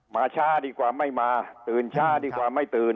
ช้าดีกว่าไม่มาตื่นช้าดีกว่าไม่ตื่น